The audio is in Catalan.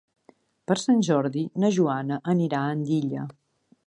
Per Sant Jordi na Joana anirà a Andilla.